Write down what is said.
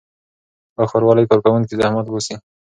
د ښاروالۍ کارکوونکي زحمت باسي.